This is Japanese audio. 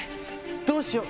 どうしよう？